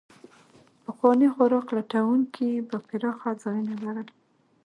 پخواني خوراک لټونکي به پراخه ځایونه لرل.